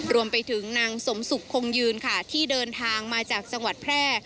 รวมไปถึงนางสมสุขคงยืนค่ะที่เดินทางมาจากจังหวัดแพร่